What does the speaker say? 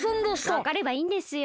わかればいいんですよ。